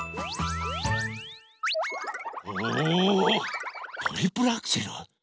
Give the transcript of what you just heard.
おおトリプルアクセル？